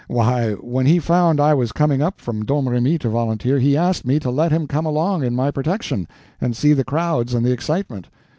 Why, when he found I was coming up from Domremy to volunteer, he asked me to let him come along in my protection, and see the crowds and the excitement.